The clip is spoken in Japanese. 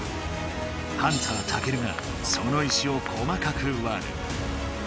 ハンターたけるがその石を細かくわる。